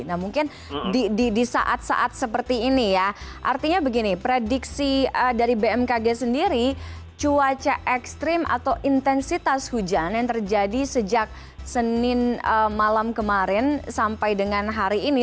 nah mungkin di saat saat seperti ini ya artinya begini prediksi dari bmkg sendiri cuaca ekstrim atau intensitas hujan yang terjadi sejak senin malam kemarin sampai dengan hari ini